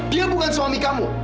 dia bukan suami kamu